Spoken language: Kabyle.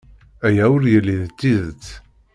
Aya ur yelli d tidet.